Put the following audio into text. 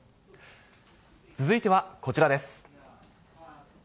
続いてはこちらです。